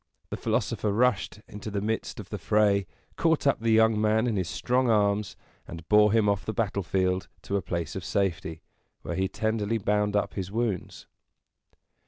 The philosopher rushed into the midst of the fray, caught up the young man in his strong arms, and bore him off the battlefield to a place of safety, where he tenderly bound up his wounds.